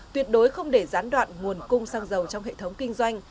tuyệt đối không để gián đoạn nguồn cung xăng dầu trong hệ thống kinh doanh